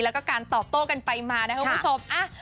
แล้วก็การตอบโต้กันไปมานะครับคุณผู้ชม